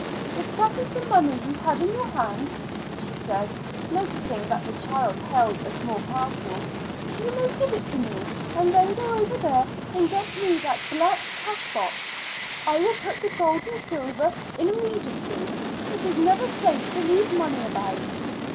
"If that is the money you have in your hand," she said, noticing that the child held a small parcel, "you may give it to me, and then go over there and get me that black cash box. I will put the gold and silver in immediately. It is never safe to leave money about."